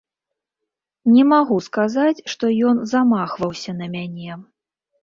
Не магу сказаць, што ён замахваўся на мяне.